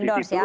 duduk di situ